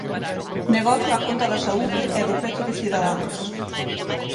Negocio á conta da saúde e do peto dos cidadáns.